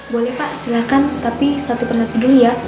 boleh pak silakan tapi satu persatu dulu ya